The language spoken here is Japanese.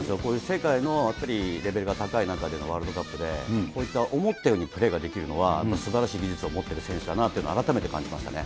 世界のやっぱりレベルが高い中でのワールドカップで、こういった思ったようにプレーができるのはやっぱりすばらしい技術を持ってる選手だなと改めて感じましたね。